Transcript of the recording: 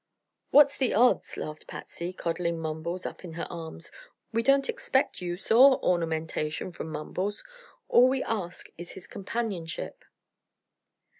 "What's the odds?" laughed Patsy, coddling Mumbles up in her arms. "We don't expect use or ornamentation from Mumbles. All we ask is his companionship."